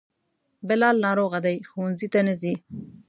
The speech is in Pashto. بلال ناروغه دی, ښونځي ته نه ځي